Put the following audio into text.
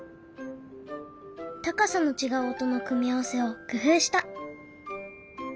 高さの違う音の組み合わせを工夫した。